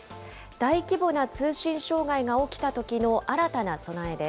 大規模な通信障害が起きたときの新たな備えです。